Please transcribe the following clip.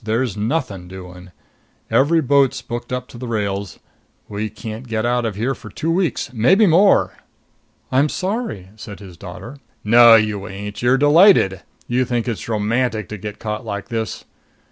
There's nothing doing. Every boat's booked up to the rails; we can't get out of here for two weeks maybe more." "I'm sorry," said his daughter. "No, you ain't! You're delighted! You think it's romantic to get caught like this.